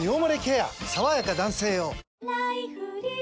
さわやか男性用」